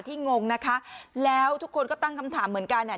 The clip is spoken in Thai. งงนะคะแล้วทุกคนก็ตั้งคำถามเหมือนกันอ่ะ